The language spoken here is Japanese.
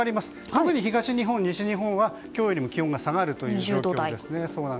特に東日本、西日本は今日よりも気温が下がるという予想ですね。